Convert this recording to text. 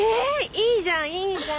いいじゃんいいじゃん！